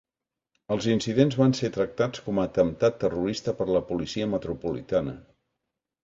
Els incidents van ser tractats com a atemptat terrorista per la Policia Metropolitana.